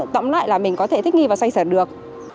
tổng lại là mình có thể thích nghi và xoay sở được